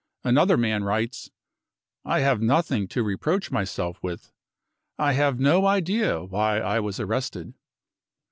55 Another man writes :" I have nothing to reproach myself with. I have no idea why I was arrested.